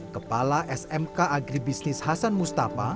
kepala smk agribisnis hasan mustafa